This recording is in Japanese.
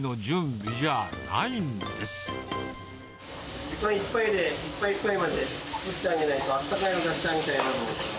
時間いっぱいで、いっぱいいっぱいまで作ってあげないと、あったかいの出してあげたいの。